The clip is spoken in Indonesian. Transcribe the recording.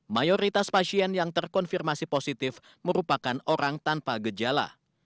mayoritas pasien yang terkonfirmasi positif merupakan orang tanpa gejala